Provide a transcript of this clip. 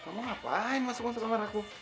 kamu ngapain masuk ke kamar aku